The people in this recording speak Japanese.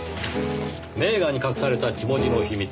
「名画に隠された血文字の秘密